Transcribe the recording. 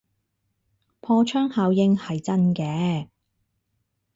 破窗效應係真嘅